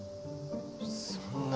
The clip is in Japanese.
そんな。